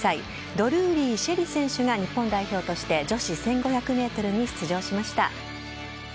ドルーリー朱瑛里選手が日本代表として女子１５００ｍに出場しました。